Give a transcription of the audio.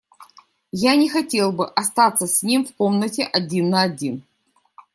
Я не хотел бы остаться с ним в комнате один на один.